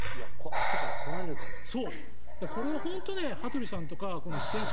明日から来られるからです。